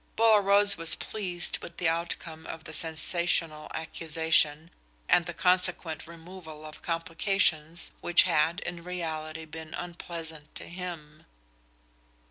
Bolaroz was pleased with the outcome of the sensational accusation and the consequent removal of complications which had in reality been unpleasant to him.